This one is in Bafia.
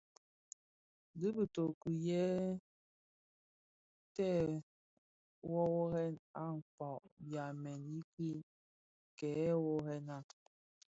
Ti bitoki yi tè woworèn akpaň byamèn yiiki kè worrena,